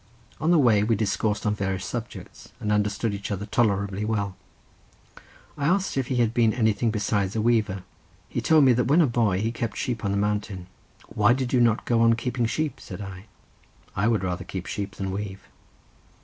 On the way we discoursed on various subjects, and understood each other tolerably well. I asked if he had ever been anything besides a weaver. He told me that when a boy he kept sheep on the mountain. "Why did you not go on keeping sheep?" said I; "I would rather keep sheep than weave."